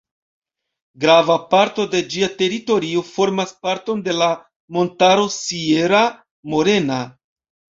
Grava parto de ĝia teritorio formas parton de la montaro Sierra Morena.